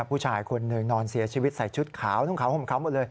ผู้ชายคนหนึ่งนอนเสียชีวิตใส่ชุดขาวนุ่งขาวห่มขาวหมดเลย